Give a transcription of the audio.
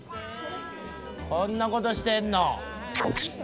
こんな事してんの？